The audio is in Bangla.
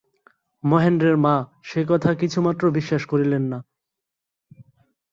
মহেন্দ্রের মা সে কথা কিছুমাত্র বিশ্বাস করিলেন না।